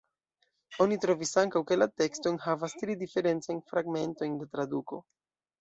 Oni trovis ankaŭ, ke la teksto enhavas tri diferencajn fragmentojn de traduko.